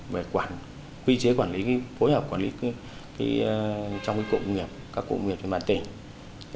về quy chế quản lý phối hợp quản lý trong các cụm công nghiệp các cụm công nghiệp về mặt tỉnh